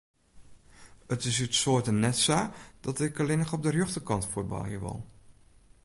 It is út soarte net sa dat ik allinne op de rjochterkant fuotbalje wol.